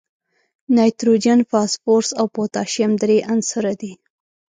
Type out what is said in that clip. نایتروجن، فاسفورس او پوتاشیم درې عنصره دي.